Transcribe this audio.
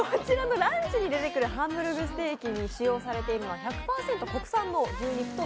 こちらのランチに出てくるハンブルグステーキに使用されているのは１００％